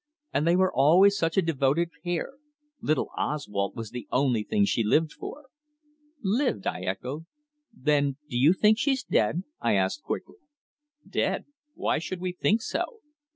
And they were always such a devoted pair. Little Oswald was the only thing she lived for." "Lived!" I echoed. "Then do you think she's dead?" I asked quickly. "Dead! Why should we think so?